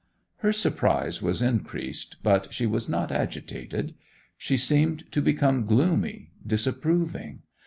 Her surprise was increased, but she was not agitated. She seemed to become gloomy, disapproving.